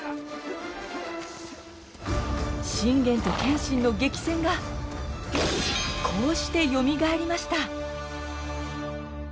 信玄と謙信の激戦がこうしてよみがえりました。